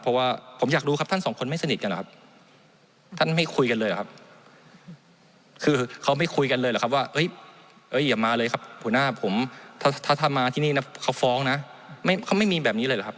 เพราะว่าผมอยากดูครับท่านสองคนน่ะ